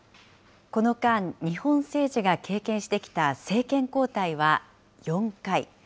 この間、日本政治が経験してきた政権交代は４回。